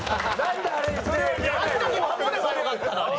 あの時守ればよかったのに。